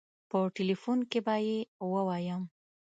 په ټيليفون کې به يې ووايم.